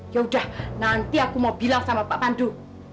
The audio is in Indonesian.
ya udah nanti aku mau bilang sama pak pandu